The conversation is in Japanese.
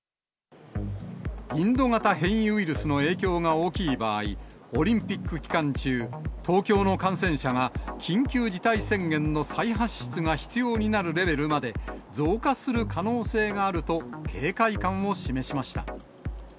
インド型変異ウイルスの影響が大きい場合、オリンピック期間中、東京の感染者が緊急事態宣言の再発出が必要になるレベルまで、増加する可能性があると警戒感を示しました。